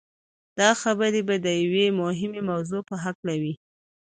دا خبرې به د يوې مهمې موضوع په هکله وي.